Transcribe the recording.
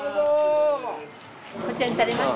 こちらにされます？